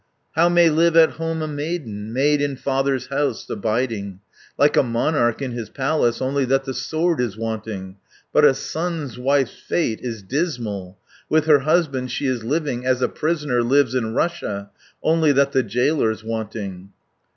"How may live at home a maiden? Maid in father's house abiding; Like a monarch in his palace, Only that the sword is wanting, But a son's wife's fate is dismal! With her husband she is living As a prisoner lives in Russia, Only that the jailor's wanting.